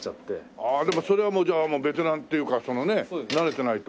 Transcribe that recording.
でもそれはもうじゃあベテランっていうか慣れてないと。